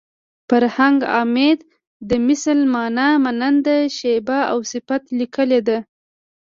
فرهنګ عمید د مثل مانا مانند شبیه او صفت لیکلې ده